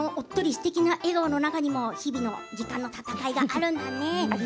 すてきな笑顔の中にも日々の時間の闘いがあるんだね。